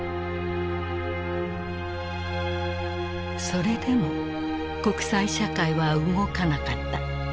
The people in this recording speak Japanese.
それでも国際社会は動かなかった。